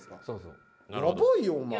そうそう。